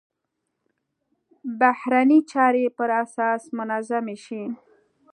بهرنۍ چارې پر اساس منظمې شي.